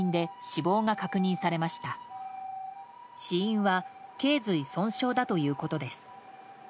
死因は頚髄損傷だということです。